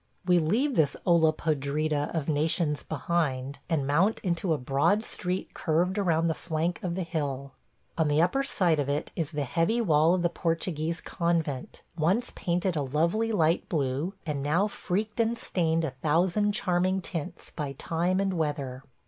We leave this olla podrida of nations behind, and mount into a broad street curved around the flank of the hill. On the upper side of it is the heavy wall of the Portuguese convent, once painted a lovely light blue, and now freaked and stained a thousand charming tints by time and weather.